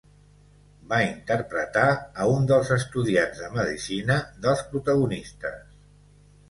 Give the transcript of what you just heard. Va interpretar a un dels estudiants de medicina dels protagonistes.